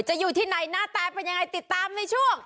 อยู่ที่ไหนหน้าตาเป็นยังไงติดตามในช่วง